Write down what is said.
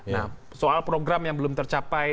nah soal program yang belum tercapai